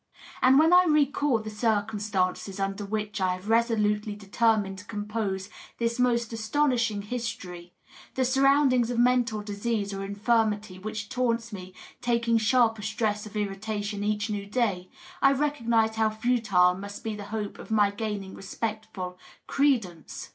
And when I recall the circumstances under which I have resolutely determined to compose this most astonishing history — the surroundings of mental disease or infirmity which taunts me taking sharper stress of irritation each new day — I recognize how futile must be the hope of my gaining respectful credence.